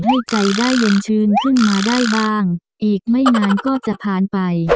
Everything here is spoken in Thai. ให้ใจได้ลมชื้นขึ้นมาได้บ้างอีกไม่นานก็จะผ่านไป